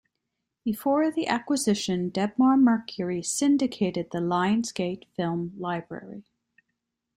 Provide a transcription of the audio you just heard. Before the acquisition, Debmar-Mercury syndicated the Lionsgate film library.